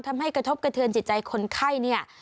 ทำให้กระทบกระเทือนจิตใจคนไข้